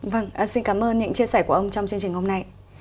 vâng xin cảm ơn những chia sẻ của ông trong chương trình hôm nay